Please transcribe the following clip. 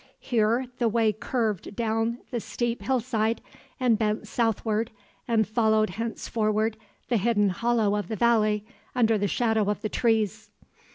Here the way curved down the steep hillside, and bent southward, and followed henceforward the hidden hollow of the valley, under the shadow of the trees.